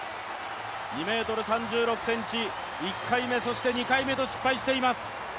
２ｍ３６ｃｍ、１回目、２回目と失敗しています。